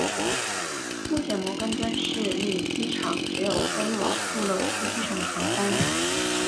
目前摩根敦市立机场只有飞往杜勒斯机场的航班。